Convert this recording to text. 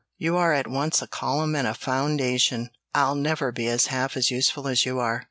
You are at once a column and a foundation. I'll never be half as useful as you are.